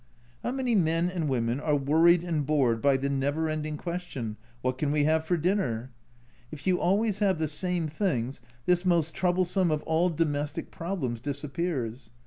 How many men and women are worried and bored by the never ending question, "What can we have for dinner?" If you always have the same things this most troublesome of all domestic problems disappears.